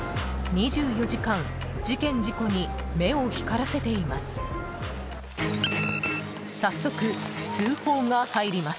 ２４時間、事件事故に目を光らせています。